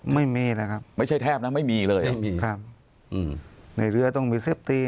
ไม่มีนะครับไม่ใช่แทบนะไม่มีเลยไม่มีครับอืมในเรือต้องมีเซฟตี้